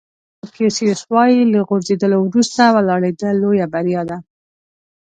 کانفیوسیس وایي له غورځېدلو وروسته ولاړېدل لویه بریا ده.